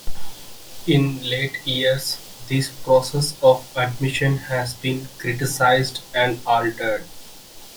In late years this process of admission has been criticized and altered.